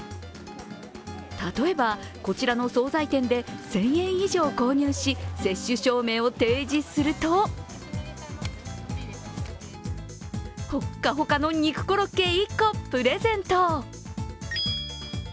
例えば、こちらの総菜店で１０００円以上購入し接種証明書を提示すると、ホッカホカの肉コロッケ１個プレゼント。